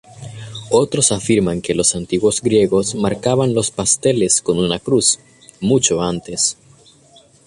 Otros afirman que los antiguos griegos marcaban los pasteles con una cruz, mucho antes.